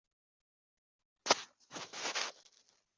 以下是知名的网页浏览器的列表。